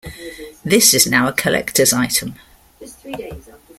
This is now a collector's item.